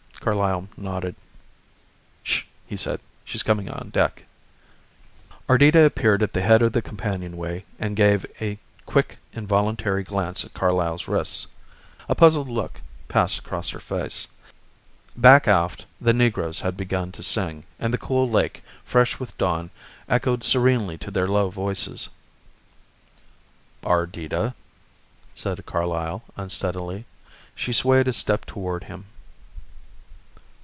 Carlyle nodded. "Sh!" he said. "She's coming on deck." Ardita appeared at the head of the companionway and gave a quick involuntary glance at Carlyle's wrists. A puzzled look passed across her face. Back aft the negroes had begun to sing, and the cool lake, fresh with dawn, echoed serenely to their low voices. "Ardita," said Carlyle unsteadily. She swayed a step toward him.